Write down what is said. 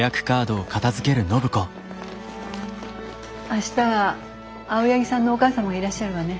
明日は青柳さんのお母様がいらっしゃるわね。